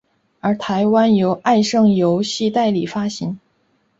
而台湾由爱胜游戏代理发行。